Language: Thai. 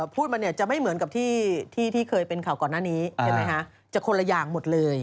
พระอาทิตย์คุณหนุ่มวันนี้ดูเป็นพูดดีจังเลย